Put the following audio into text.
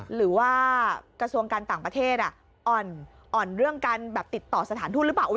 หรือว่ากระทรวงการต่างประเทศอ่อนเรื่องการแบบติดต่อสถานทูตหรือเปล่า